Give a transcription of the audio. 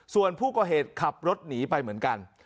ส่วนผู้ก่อเหตุขับรถหนีไปเหมือนกัน